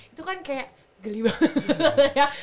itu kan kayak geli banget ya